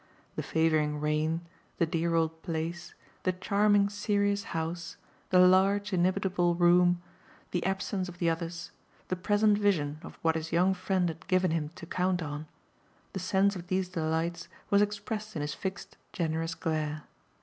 The favouring rain, the dear old place, the charming serious house, the large inimitable room, the absence of the others, the present vision of what his young friend had given him to count on the sense of these delights was expressed in his fixed generous glare.